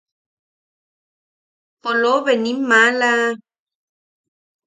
¡Polobe nim maala!